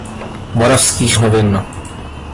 Moravských novin.